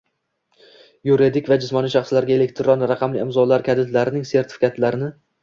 yuridik va jismoniy shaxslarga elektron raqamli imzolar kalitlarining sertifikatlarini